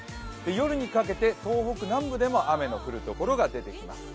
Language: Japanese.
夜にかけて東北南部でも雨の降るところが出てきます。